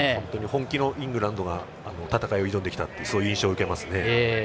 本気のイングランドが戦いを挑んできた印象を受けます。